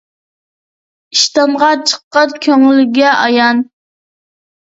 ئىشتانغا چىققان كۆڭۈلگە ئايان.